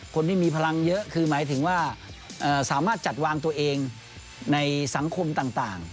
คนที่มีพลังเยอะคือหมายถึงว่าสามารถจัดวางตัวเองในสังคมต่าง